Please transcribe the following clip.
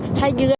thu hoạch muối